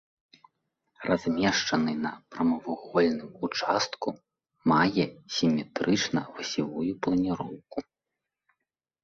Размешчаны на прамавугольным участку, мае сіметрычна-восевую планіроўку.